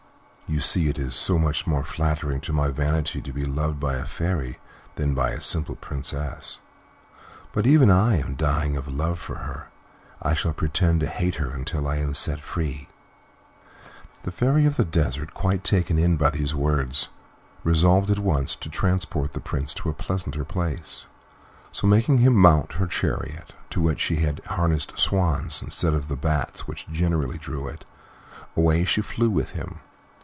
You see it is so much more flattering to my vanity to be loved by a fairy than by a simple princess. But, even if I am dying of love for her, I shall pretend to hate her until I am set free." The Fairy of the Desert, quite taken in by these words, resolved at once to transport the Prince to a pleasanter place. So, making him mount her chariot, to which she had harnessed swans instead of the bats which generally drew it, away she flew with him.